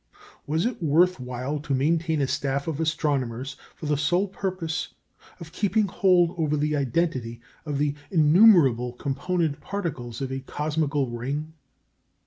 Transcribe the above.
Was it worth while to maintain a staff of astronomers for the sole purpose of keeping hold over the identity of the innumerable component particles of a cosmical ring?